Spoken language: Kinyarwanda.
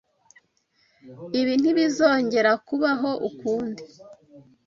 Ibi ntibizongera kubaho ukundi.